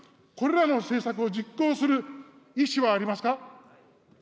これらの政策を実行する意思はありますか。